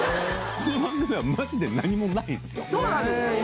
この番組はマジで何もないんそうなんです。